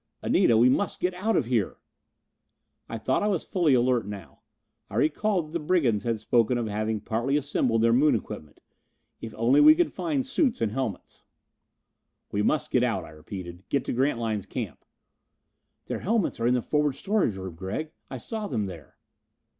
"Anita, we must get out of here!" I thought I was fully alert now. I recalled that the brigands had spoken of having partly assembled their Moon equipment. If only we could find suits and helmets! "We must get out," I repeated. "Get to Grantline's camp." "Their helmets are in the forward storage room, Gregg. I saw them there."